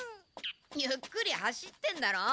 ゆっくり走ってんだろう。